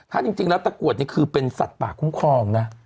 ถ้าจริงแล้วตะกรวดนี่คือเป็นสัตว์ป่าคุ้มครองนะ